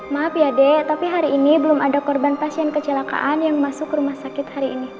maaf ya dek tapi hari ini belum ada korban pasien kecelakaan yang masuk ke rumah sakit hari ini